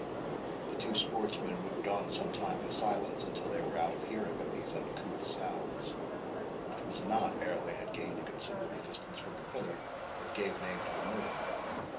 The two sportsmen moved on some time in silence, until they were out of hearing of these uncouth sounds, which was not ere they had gained a considerable distance from the pillar that gave name to the moor.